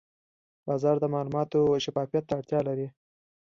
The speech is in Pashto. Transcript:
بازار د معلوماتو شفافیت ته اړتیا لري.